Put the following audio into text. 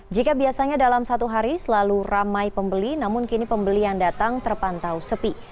jika biasanya dalam satu hari selalu ramai pembeli namun kini pembeli yang datang terpantau sepi